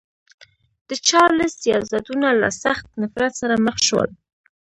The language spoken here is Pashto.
د چارلېز سیاستونه له سخت نفرت سره مخ شول.